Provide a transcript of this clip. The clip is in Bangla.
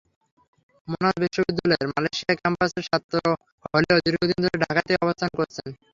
মোনাশ বিশ্ববিদ্যালয়ের মালয়েশিয়া ক্যাম্পাসের ছাত্র হলেও দীর্ঘদিন ধরে ঢাকাতেই অবস্থান করেছেন।